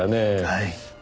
はい。